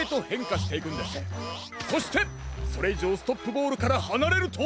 そしてそれいじょうストップボールからはなれると！